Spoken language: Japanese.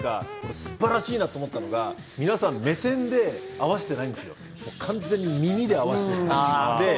素晴らしいなと思ったのが、皆さん、目線で合わしてない、完全に耳で合わせてる。